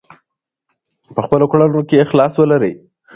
په خپلو کړنو کې اخلاص ولرئ.